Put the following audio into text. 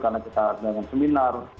karena kita dengan seminar